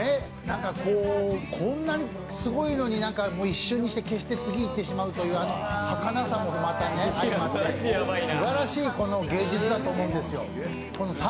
こんなにすごいのに、一瞬にして消して次いってしまうというはかなさもまた相まって、すばらしい芸術だなと思うんですよ。